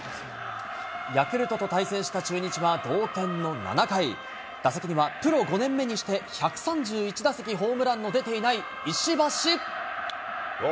ヤクルトと対戦した中日は同点の７回、打席にはプロ５年目にして、１３１打席ホームランの出ていない石橋。